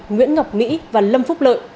nguyễn ngọc mỹ và lâm phúc lợi